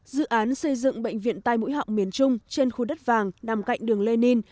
dự án xây dựng bệnh viện tai mũi họng miền trung trên khu đất vàng nằm cạnh đường lê ninh